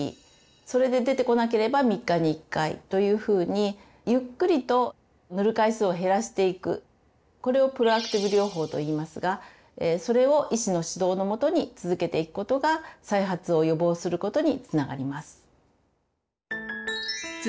それで出てこなければ３日に１回というふうにゆっくりと塗る回数を減らしていくこれをプロアクティブ療法といいますがそれを医師の指導の下に続けていくことが再発を予防することにつながります。